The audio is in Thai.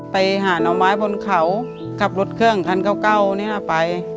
ไปหาน้ำไม้บนเขากับรถเครื่องขันเก้าเก้านี่น่ะไป